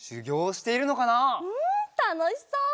うんたのしそう！